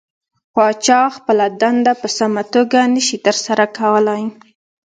پاچا خپله دنده په سمه توګه نشي ترسره کولى .